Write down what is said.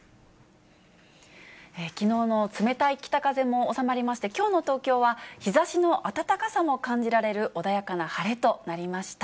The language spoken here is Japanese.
きのうの冷たい北風も収まりまして、きょうの東京は日ざしの暖かさも感じられる穏やかな晴れとなりました。